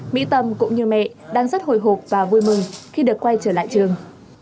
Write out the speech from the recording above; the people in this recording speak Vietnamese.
mỹ tâm cũng như mẹ đang rất hồi hộp và vui mừng khi được quay trở lại trường